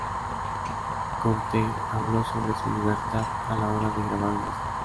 Conte habló sobre su libertad a la hora de grabar un disco.